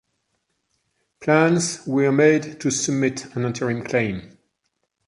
Plans were made to submit an interim claim.